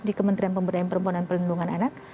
di kementerian pemberdayaan perempuan dan perlindungan anak